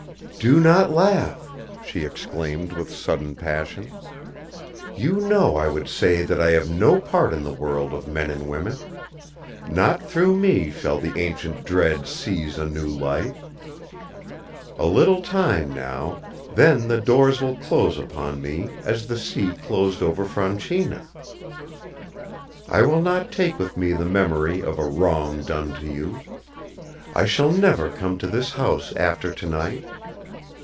"Do not laugh," she exclaimed with sudden passion. "You know I would say that I have no part in the world of men and women. Not through me shall the ancient dread seize a new life. A little time, now, then the doors will close upon me as the sea closed over Franchina. I will not take with me the memory of a wrong done to you. I shall never come to this house after tonight.